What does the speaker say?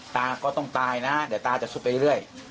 ตาก็ต้องตายนะเดี๋ยวตาจะสุดไปเรื่อย